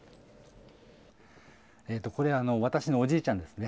これ私のおじいちゃんですね